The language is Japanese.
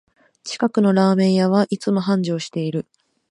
近くのラーメン屋はいつも繁盛してる